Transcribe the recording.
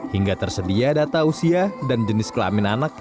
hingga tersedia data usia dan jenis kelamin anak